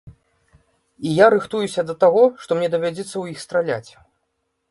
І я рыхтуюся да таго, што мне давядзецца ў іх страляць.